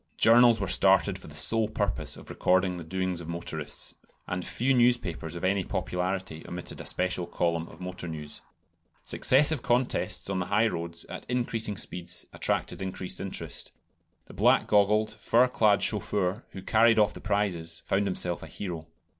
Journals were started for the sole purpose of recording the doings of motorists; and few newspapers of any popularity omitted a special column of motor news. Successive contests on the highroads at increasing speeds attracted increased interest. The black goggled, fur clad chauffeur who carried off the prizes found himself a hero.